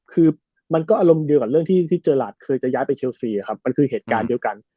คือมันก็อารมณ์เดียวกับเรื่องที่เจอราชเคยจะย้ายไปเชลซีครับมันคือเหตุการณ์เดียวกัน